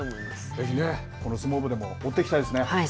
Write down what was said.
ぜひこの相撲部でも追っていきたいですね。